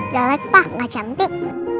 jelek pak gak cantik